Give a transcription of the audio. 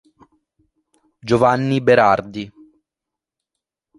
Giovanni Berardi